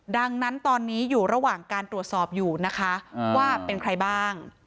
ดังนั้นตอนนี้อยู่ระหว่างการตรวจสอบอยู่นะคะว่าเป็นใครบ้าง